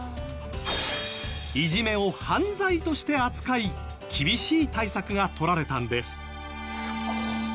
いじめを犯罪として扱い厳しい対策がとられたんです。